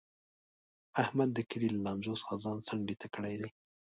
احمد د کلي له لانجو څخه ځان څنډې ته کړی دی.